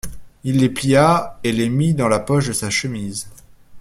Il les plia et les mit dans la poche de sa chemise.